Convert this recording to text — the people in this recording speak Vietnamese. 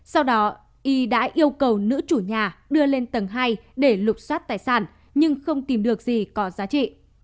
sau đó y đã yêu cầu nữ chủ nhà đưa lên tầng hai để lục xoát tài sản nhưng không tìm được gì có giá trị